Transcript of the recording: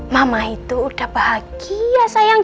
mama itu udah bahagia sayang